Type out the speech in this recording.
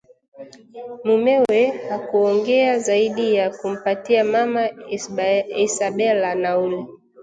mumewe hakuongea zaidi ya kumpatia mama Isabela nauli